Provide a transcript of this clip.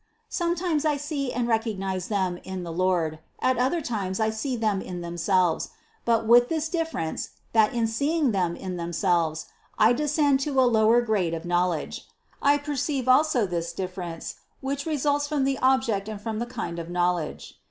Sometimes I see and recognize them in the Lord, at other times I see them in themselves ; but with this difference that in seeing them in themselves, I descend to a lower grade of knowledge. I perceive also this difference, which results from the object and from the kind of knowledge.